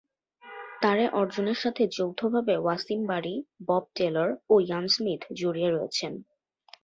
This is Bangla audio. তার এ অর্জনের সাথে যৌথভাবে ওয়াসিম বারি, বব টেলর ও ইয়ান স্মিথ জড়িয়ে রয়েছেন।